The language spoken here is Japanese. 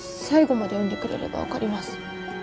最後まで読んでくれれば分かります